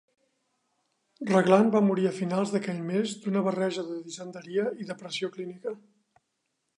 Raglan va morir a finals d'aquell mes d'una barreja de disenteria i depressió clínica.